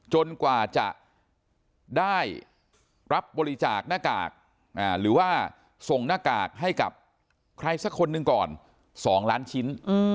กว่าจะได้รับบริจาคหน้ากากหรือว่าส่งหน้ากากให้กับใครสักคนหนึ่งก่อน๒ล้านชิ้น